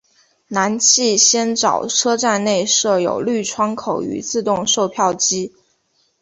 南气仙沼车站内设有绿窗口与自动售票机。